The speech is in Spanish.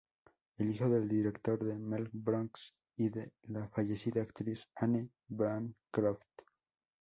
Es hijo del director Mel Brooks y de la fallecida actriz Anne Bancroft.